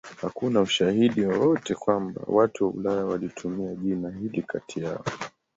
Hakuna ushahidi wowote kwamba watu wa Ulaya walitumia jina hili kati yao.